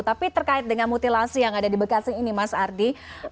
tapi terkait dengan mutilasi yang ada di bekasi ini mas ardi